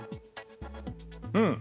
うん。